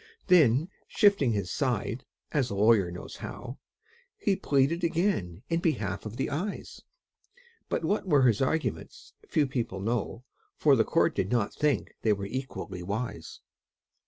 Then shifting his side (as a lawyer knows how), He pleaded again in behalf of the Eyes; But what were his arguments few people know, For the court did not think they were equally wise.